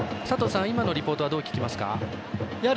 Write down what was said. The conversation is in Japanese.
今のリポートはどう聞きますか。